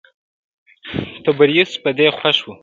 تبریوس په دې خوښ و.